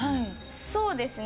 そうですね。